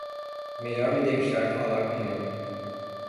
Melhor me deixar falar com ele.